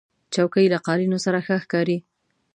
چوکۍ له قالینو سره ښه ښکاري.